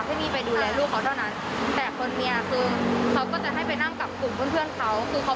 แล้วเมียเขาบอกว่าไม่ต้องกลัวน้ำ